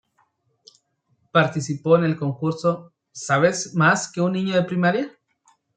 Participó en el concurso "¿Sabes más que un niño de primaria?